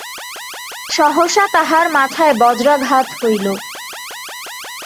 সহসা তাঁহার মাথায় বজ্রাঘাত হইল।